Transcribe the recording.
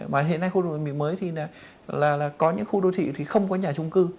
và hiện nay khu đô thị mới thì là có những khu đô thị thì không có nhà trung cư